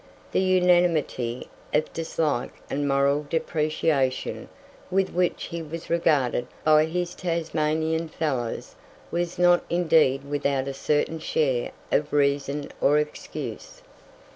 The unanimity of dislike and moral depreciation with which he was regarded by his Tasmanian fellows was not indeed without a certain share of reason or excuse.